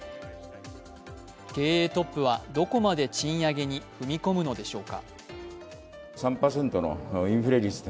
経営トップはどこまで賃上げに踏み込むのでしょうか。